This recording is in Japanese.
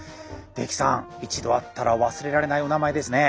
出耒さん１度会ったら忘れられないお名前ですね。